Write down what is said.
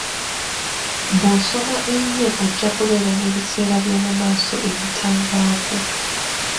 Bw'osoma ennyo, ojja kubeera n'ebiseera byomu maaso ebitangaavu.